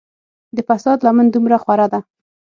د فساد لمن دومره خوره ده.